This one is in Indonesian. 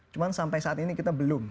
cuma sampai saat ini kita belum